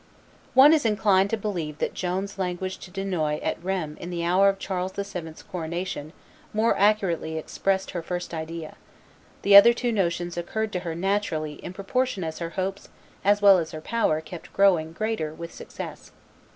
One is inclined to believe that Joan's language to Dunois at Rheims in the hour of Charles VII.'s coronation more accurately expressed her first idea; the two other notions occurred to her naturally in proportion as her hopes as well as her power kept growing greater with success.